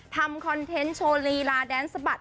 คอนเทนต์โชว์ลีลาแดนสะบัด